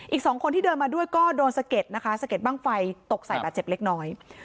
อีกสองคนที่เดินมาด้วยก็โดนสะเก็ดนะคะสะเด็ดบ้างไฟตกใส่บาดเจ็บเล็กน้อย